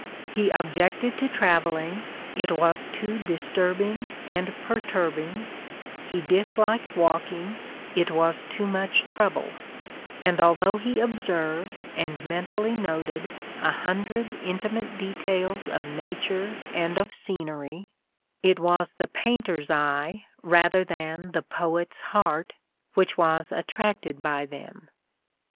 He objected to travelling, it was too disturbing and perturb ing, — he disliked walking, it was too much trouble ; and although he observed, and mentally noted, a hundred intimate details of nature and of scenery, it was the painter's eye, rather than the poet's heart, which was attracted by them.